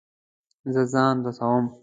زه ځان رسوم